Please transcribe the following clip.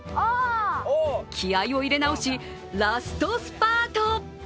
気合いを入れ直しラストスパート！